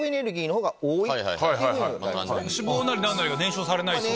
脂肪なり何なりが燃焼されないと。